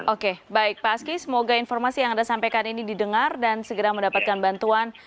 oke baik pak aski semoga informasi yang anda sampaikan ini didengar dan segera mendapatkan bantuan